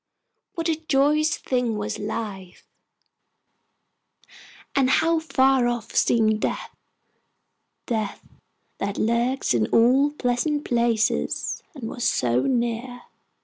What a joyous thing was life, and how far off seemed death death, that lurks in all pleasant places, and was so near!